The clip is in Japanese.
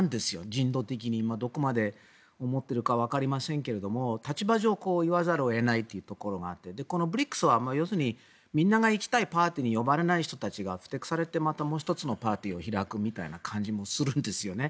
人道的に、どこまで思っているかわかりませんけど立場上、言わざるを得ないというところがあってこのＢＲＩＣＳはみんなが行きたいパーティーに呼ばれない人たちがふてくされてもう１つのパーティーを開くみたいな感じもするんですよね。